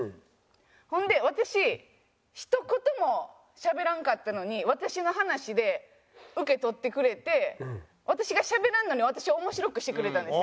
ほんで私一言もしゃべらんかったのに私の話でウケ取ってくれて私がしゃべらんのに私を面白くしてくれたんですよ。